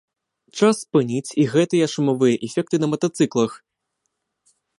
Час спыніць і гэтыя шумавыя эфекты на матацыклах.